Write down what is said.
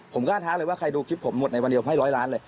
ผมกล้าท้าเลยว่าใครดูคลิปผมหมดในวันเดียวให้ร้อยล้านเลย